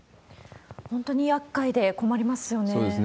本当にやっかいで困りますよね。